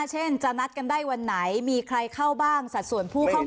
เช่นจะนัดกันได้วันไหนมีใครเข้าบ้างสัดส่วนผู้เข้า